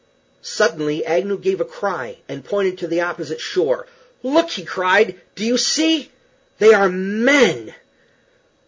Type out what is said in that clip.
Suddenly Agnew gave a cry, and pointed to the opposite shore. "Look!" he cried "do you see? They are men!"